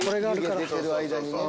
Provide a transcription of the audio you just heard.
湯気出てる間にね。